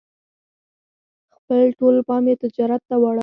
خپل ټول پام یې تجارت ته واړاوه.